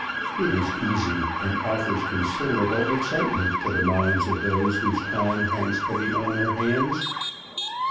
It is easy, and offers considerable excitement to the minds of those whose time hangs heavy on their hands.